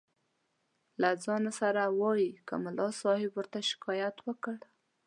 له ځانه سره وایي که ملا صاحب ورته شکایت وکړ.